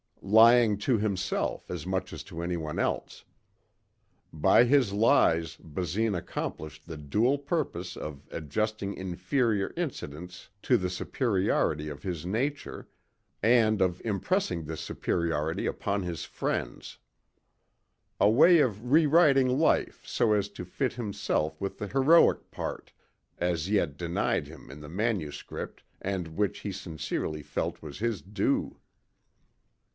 Lying to himself as much as to anyone else. By his lies Basine accomplished the dual purpose of adjusting inferior incidents to the superiority of his nature and of impressing this superiority upon his friends. A way of rewriting life so as to fit himself with the heroic part, as yet denied him in the manuscript and which he sincerely felt was his due.